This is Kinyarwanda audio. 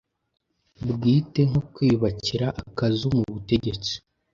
bwite, nko kwiyubakira "akazu", mu butegetsi